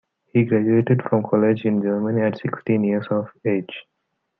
He graduated from college in Germany at sixteen years of age.